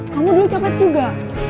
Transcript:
kamu dulu coba juga